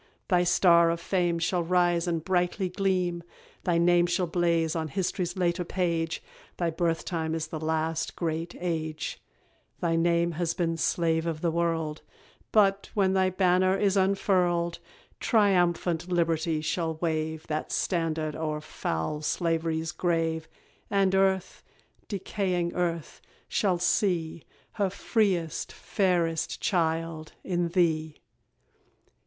Thy star of fame Shall rise and brightly gleam; thy name Shall blaze on hist'ry's later page; Thy birth time is the last great age; Thy name has been, slave of the world; But, when thy banner is unfurled, Triumphant Liberty shall wave That standard o'er foul slav'ry's grave, And earth decaying earth shall see Her freest, fairest child in thee!